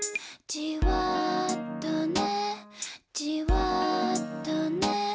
「じわとね」